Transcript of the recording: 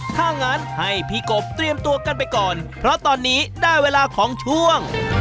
ถ้างั้นให้พี่กบเตรียมตัวกันไปก่อนเพราะตอนนี้ได้เวลาของช่วง